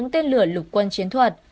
tên lửa lục quân chiến thuật